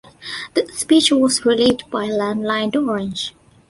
The speech was relayed by landline to Orange.